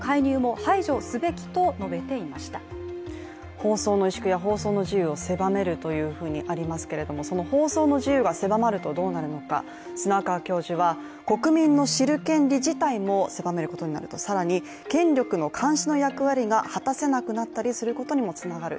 放送の萎縮や放送の自由を狭めるとありますけれども、その放送の自由が狭まるとどうなるのか砂川教授は、国民の知る権利自体も狭めることになると、更に権力の監視の役割が果たせなくなったりすることにもつながる。